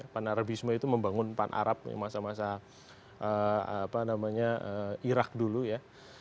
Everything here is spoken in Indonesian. pan arabisme itu membangun pan arab masa masa iraq dulu ya